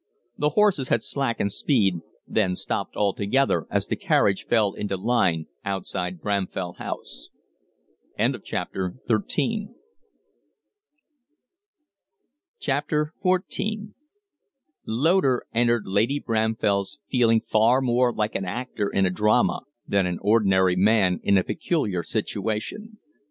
The horses had slackened speed, then stopped altogether as the carriage fell into line outside Bramfell House. XIV Loder entered Lady Bramfell's feeling far more like an actor in a drama than an ordinary man in a peculiar situation.